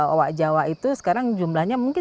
owak jawa itu sekarang jumlahnya mungkin